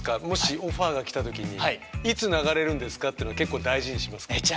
もしオファーが来たときにいつ流れるんですかってのは結構大事にしますか？